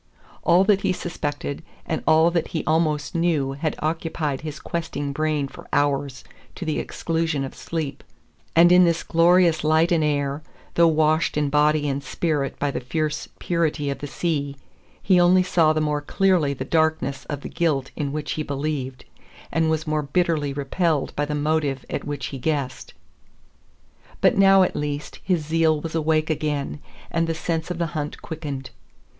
All that he suspected and all that he almost knew had occupied his questing brain for hours to the exclusion of sleep; and in this glorious light and air, though washed in body and spirit by the fierce purity of the sea, he only saw the more clearly the darkness of the guilt in which he believed, and was more bitterly repelled by the motive at which he guessed. But now at least his zeal was awake again, and the sense of the hunt quickened.